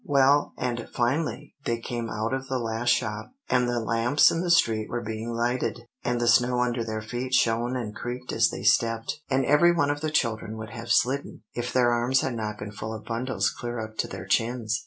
"Well, and finally they came out of the last shop, and the lamps in the street were being lighted, and the snow under their feet shone and creaked as they stepped, and every one of the children would have slidden, if their arms had not been full of bundles clear up to their chins.